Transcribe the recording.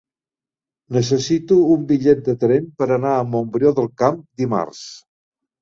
Necessito un bitllet de tren per anar a Montbrió del Camp dimarts.